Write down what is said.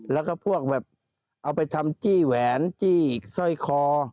แล้วก็พวกแบบเอาไปทำจี้แหวนจี้อีกสร้อยคอ